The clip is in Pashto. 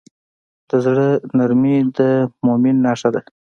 د زړه نرمي د مؤمن نښه ده.